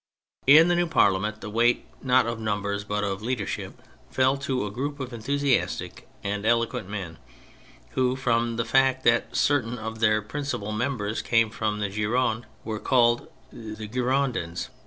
In the new Parliament thfe weight, not of numbers but of leadership, fell to a group of enthusiastic and eloquent men who, from the fact that certain of their principal members came from the Gironde, were called The Girondins.